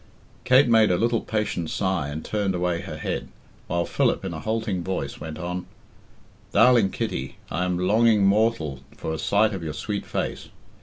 Kate made a little patient sigh and turned away her head, while Philip, in a halting voice, went on "Darling Kitty, I am longing mortal for a sight of your sweet face.